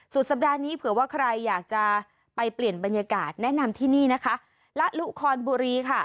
สัปดาห์นี้เผื่อว่าใครอยากจะไปเปลี่ยนบรรยากาศแนะนำที่นี่นะคะละลุคอนบุรีค่ะ